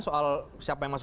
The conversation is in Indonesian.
soal siapa yang masuk